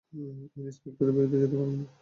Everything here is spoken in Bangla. আমি ইন্সপেক্টরের বিরুদ্ধে যেতে পারব না।